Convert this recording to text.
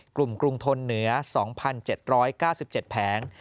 กลุ่มกรุงทนเหนือ๒๗๙๗แผง